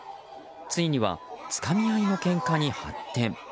ついにはつかみ合いのけんかに発展。